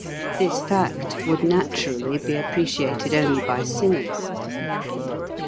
This fact would naturally be ap preciated only by singers.